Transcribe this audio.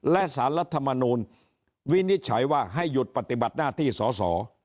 และสารรัฐมนูลวินิจฉัยว่าให้หยุดปฏิบัติหน้าที่สอสอ